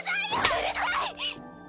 うるさい！